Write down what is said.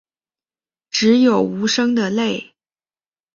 只有无声的泪